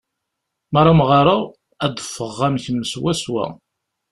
Mi ara mɣareɣ, ad d-ffɣeɣ am kemm swaswa.